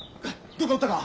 どっか打ったか？